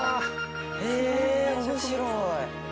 へえ面白い。